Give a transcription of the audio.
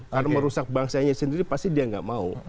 karena merusak bangsa sendiri pasti dia enggak mau